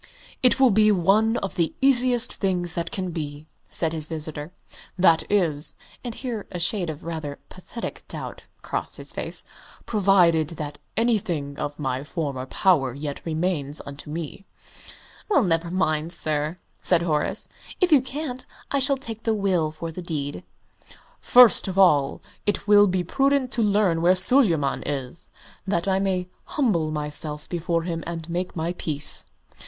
"It will be one of the easiest things that can be," said his visitor, "that is" (and here a shade of rather pathetic doubt crossed his face) "provided that anything of my former power yet remains unto me." "Well, never mind, sir," said Horace; "if you can't, I shall take the will for the deed." "First of all, it will be prudent to learn where Suleyman is, that I may humble myself before him and make my peace."